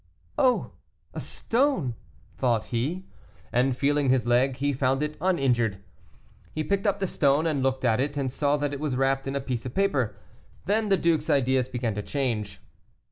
"Oh! a stone," thought he, and feeling his leg, he found it uninjured. He picked up the stone and looked at it, and saw that it was wrapped in a piece of paper. Then the duke's ideas began to change.